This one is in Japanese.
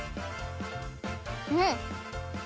うん！